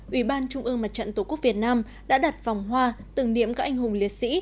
ủy ban trung ương mặt trận tổ quốc việt nam đã đặt vòng hoa tưởng niệm các anh hùng liệt sĩ